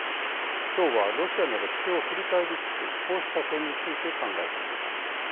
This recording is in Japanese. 今日はロシアの歴史を振り返りつつこうした点について考えてみます。